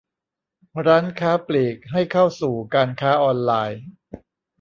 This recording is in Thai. ร้านค้าปลีกให้เข้าสู่การค้าออนไลน์